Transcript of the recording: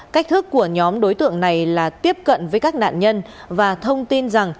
cách thức của nhóm đối tượng này là tiếp cận với các nạn nhân và thông tin rằng